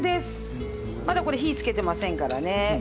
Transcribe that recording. まだこれ火つけてませんからね。